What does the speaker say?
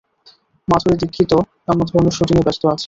মাধুরী দিক্ষিত অন্য ধরনের শ্যুটিংয়ে ব্যস্ত আছে!